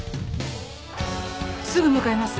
すぐ向かいます。